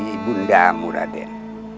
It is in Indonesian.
ibu undaku raden